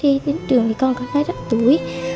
giờ đi đến trường thì con cảm thấy rất tủi